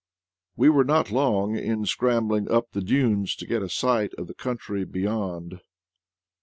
We were not long in scrambling up the dunes to get a sight of the country beyond.